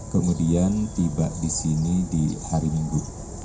kemudian tiba di sini di hari minggu